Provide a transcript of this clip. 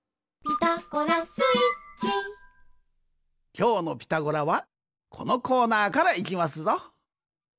きょうの「ピタゴラ」はこのコーナーからいきますぞ。